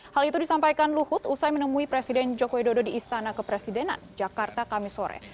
hal itu disampaikan luhut usai menemui presiden joko widodo di istana kepresidenan jakarta kami sore